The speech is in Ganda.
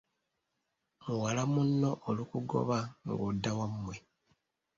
Muwala munno olukugoba ng’odda wammwe.